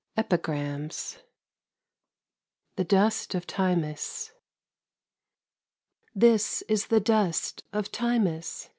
EPIGRAMS THE DUST OF TIMAS This is the dust of Timas!